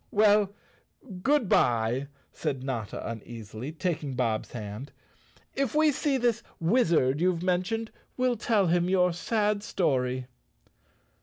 "Well, good bye!" said Notta uneasily, taking Bob's hand. "If we see this wizard you've mentioned we'll tell him your sad story."